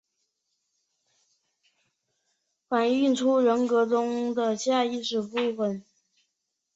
据说设计这项测验是为了藉着对刺激物的投射以反映出人格中的下意识部分。